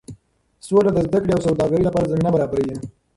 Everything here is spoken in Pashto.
سوله د زده کړې او سوداګرۍ لپاره زمینه برابروي.